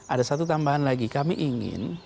ada satu tambahan lagi kami ingin